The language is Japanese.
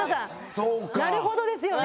「なるほど」ですよね。